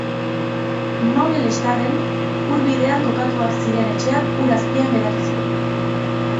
Maule-Lextarren, ur bidean kokatuak ziren etxeak ur azpian geratu ziren.